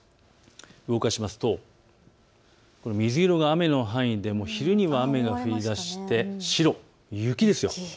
動かしますと水色が雨の範囲で昼には雨が降りだして白、雪です。